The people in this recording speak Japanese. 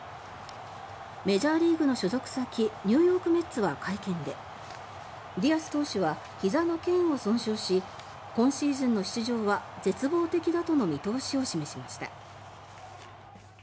メジャーリーグの所属先ニューヨーク・メッツは会見でディアス投手はひざの腱を損傷し今シーズンの出場は絶望的だとの見通しを示しました。